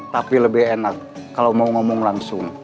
tapi lebih enak kalau mau ngomong langsung